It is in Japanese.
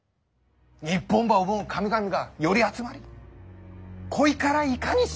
日本ば思う神々が寄り集まりこいからいかにし